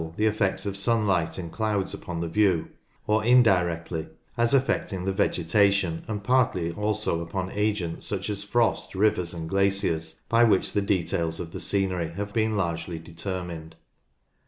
the efrects of sunlight and clouds upon the view — or indirectly — as affecting the vegetation, and partly also upon agents such as frost, rivers, and glaciers, by which the details of the scenery have been largely determined.